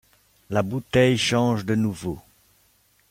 La bouteille change de nouveau.